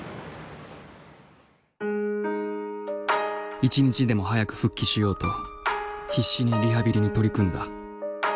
一日でも早く復帰しようと必死にリハビリに取り組んだ。